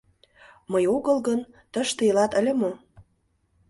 Мый огыл гын, тыште илат ыле мо?